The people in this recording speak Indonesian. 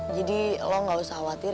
jadi lu gak usah khawatir